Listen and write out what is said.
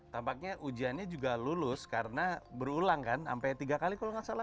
tampaknya ujiannya juga lulus karena berulang kan sampai tiga kali kalau nggak salah